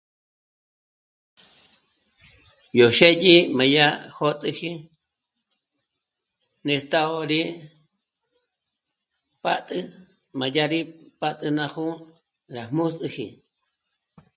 Yó xë́dyi m'a dyá jó'tiji nést'a'ò rí pà'tü m'adyà rí pà'tü ná jó'o rá m'ǒs'üji